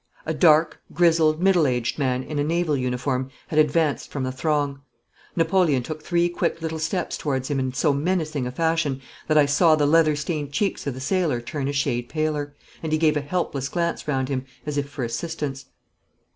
A dark, grizzled, middle aged man, in a naval uniform, had advanced from the throng. Napoleon took three quick little steps towards him in so menacing a fashion, that I saw the weather stained cheeks of the sailor turn a shade paler, and he gave a helpless glance round him, as if for assistance.